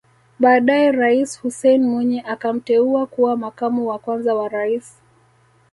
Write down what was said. Baadae Rais Hussein Mwinyi akamteua kuwa makamu wa kwanza wa Rais